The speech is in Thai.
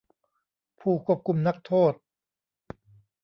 ผู้ควบคุมนักโทษ